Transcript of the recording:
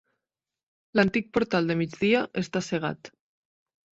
L'antic portal de migdia està cegat.